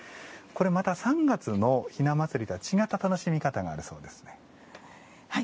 また３月の雛祭りとは違った楽しみ方があるそうですね。